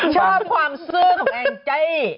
ชอบความซื้อของแองใจ